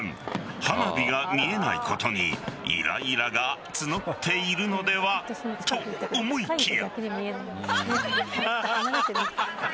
花火が見えないことにイライラが募っているのではと思いきや。